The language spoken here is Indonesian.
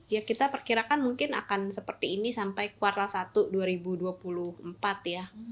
ya kita perkirakan mungkin akan seperti ini sampai kuartal satu dua ribu dua puluh empat ya